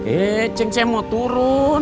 eh cincin saya mau turun